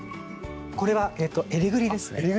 これはえりぐりですね。